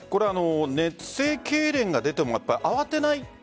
熱性けいれんが出ても慌てない。